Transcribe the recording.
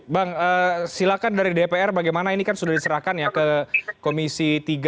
bang silakan dari dpr bagaimana ini kan sudah diserahkan ya ke komisi tiga